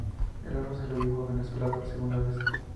El oro se lo llevó Venezuela por segunda vez.